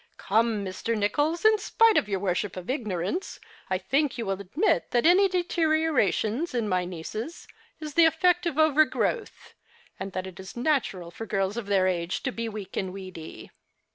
" Come, Mr, Nicholls, in spite of your worship of ignorance, I think you will admit that any deterioration in my nieces is the effect of over growth, and that it is natui'al for girls of their age to be weak and weedy."